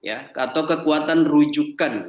atau kekuatan rujukan